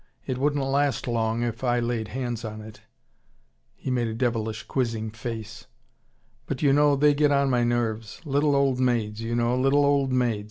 It wouldn't last long if I laid hands on it " he made a devilish quizzing face. "But you know, they get on my nerves. Little old maids, you know, little old maids.